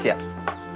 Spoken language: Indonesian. gimana udah siap